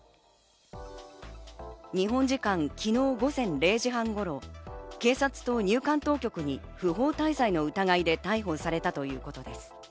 日本時間、昨日午前０時半頃、警察と入管当局に不法滞在の疑いで逮捕されたということです。